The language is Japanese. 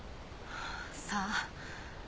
さあ。